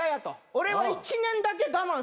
俺は１年だけ我慢すると。